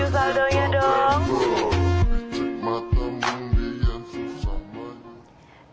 gata review saldonya dong